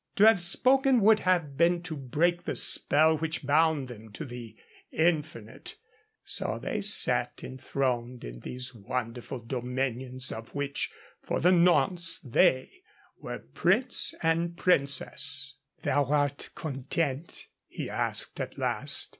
To have spoken would have been to break the spell which bound them to the infinite. And so they sat enthroned in these wonderful dominions of which for the nonce they were prince and princess. "Thou art content?" he asked at last.